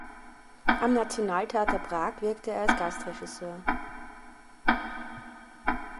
Am Nationaltheater Prag wirkte er als Gastregisseur.